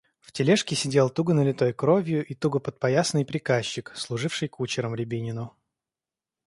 В тележке сидел туго налитой кровью и туго подпоясанный приказчик, служивший кучером Рябинину.